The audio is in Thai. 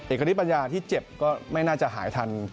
คณิตปัญญาที่เจ็บก็ไม่น่าจะหายทัน